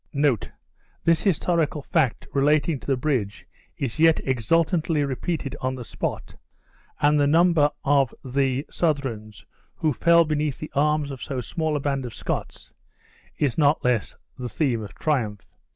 This historical fact relating to the bridge is yet exultantly repeated on the spot, and the number of the Southrons who fell beneath the arms of so small a band of Scots, is not less the theme of triumph.